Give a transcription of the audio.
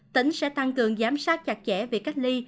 tỉnh sẽ tăng cường giám sát chặt chẽ việc cách ly